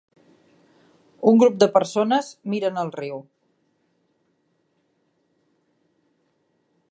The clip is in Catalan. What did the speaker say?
Un grup de persones miren al riu.